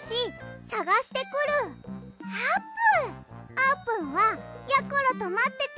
あーぷんはやころとまってて！